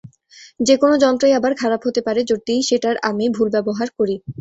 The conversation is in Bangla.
যেকোনো যন্ত্রই আবার খারাপ হতে পারে, যদি সেটার আমি ভুল ব্যবহার করি।